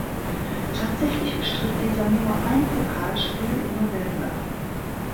Tatsächlich bestritt dieser nur ein Pokalspiel im November.